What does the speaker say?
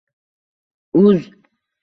uz